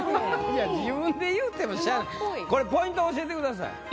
いや自分で言うてもしゃあないこれポイント教えてください。